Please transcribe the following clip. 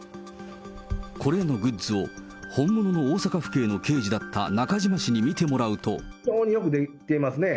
これらのグッズを本物の大阪府警の刑事だった中島氏に見ても非常によく出来てますね。